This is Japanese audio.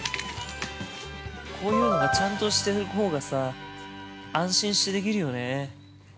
◆こういうのがちゃんとしてるほうがさ、安心してできるよね。